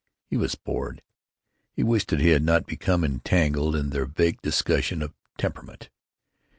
He was bored. He wished that he had not become entangled in their vague discussion of "temperament."